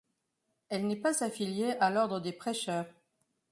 Elle n'est pas affiliée à l'Ordre des Prêcheurs.